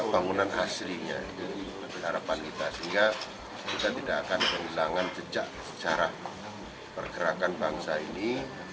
bangunan aslinya jadi harapan kita sehingga kita tidak akan kehilangan jejak sejarah pergerakan bangsa ini